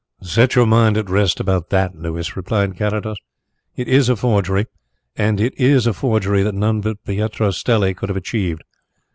"Set your mind at rest about that, Louis," replied Carrados. "It is a forgery, and it is a forgery that none but Pietro Stelli could have achieved.